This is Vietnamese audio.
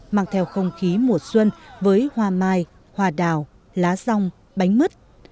mang theo không khí mùa xuân với hoa mai hoa đào lá rong bánh mứt